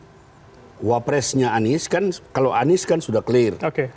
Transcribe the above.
cewapresnya anies kalau anies kan sudah clear